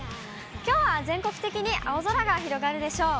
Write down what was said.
きょうは全国的に青空が広がるでしょう。